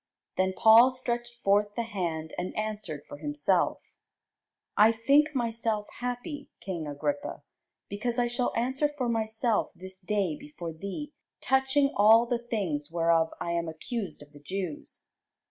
Then Paul stretched forth the hand, and answered for himself: I think myself happy, king Agrippa, because I shall answer for myself this day before thee touching all the things whereof I am accused of the Jews.